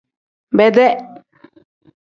Bedee.